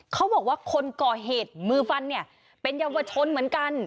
เขาบอกว่าคนก่อเหตุมือฟันเนี่ยเป็นเยาวชนเหมือนกัน